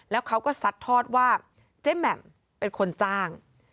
แล้วเขาก็ซัดทอดว่าเจ๊แหม่มเป็นคนจ้าง